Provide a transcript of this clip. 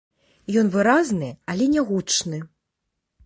Ён выразны, але нягучны.